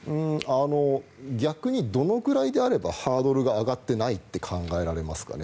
逆にどのくらいであればハードルが上がってないって考えられますかね。